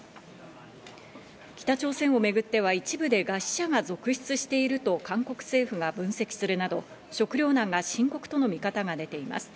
北朝鮮をめぐっては、一部で餓死者が続出していると、韓国政府が分析するなど、食糧難が深刻との見方が出ています。